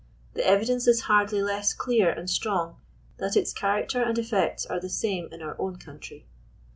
The evidence is hardly less clear and strong, that its character and ejects are the same in our own country.